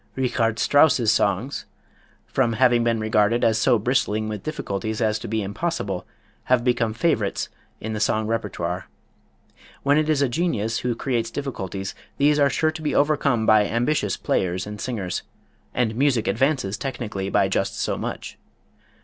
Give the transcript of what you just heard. Richard Strauss's songs, from having been regarded as so bristling with difficulties as to be impossible, have become favorites in the song repertoire. When it is a genius who creates difficulties these are sure to be overcome by ambitious players and singers, and music advances technically by just so much.